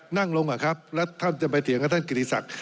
นั่งลงอะครับแล้วท่านจะไปเถียงกับท่านกิติศักดิ